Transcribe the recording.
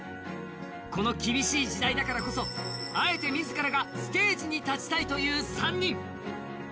この厳しい時代だからこそ、あえて自らがステージに立ちたいという３人。